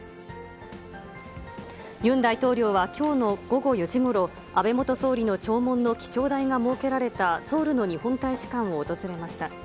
ユン大統領はきょうの午後４時ごろ、安倍元総理の弔問の記帳台が設けられたソウルの日本大使館を訪れました。